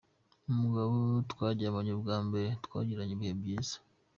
Umugabo twaryamanye bwa mbere twagiranye ibihe byiza.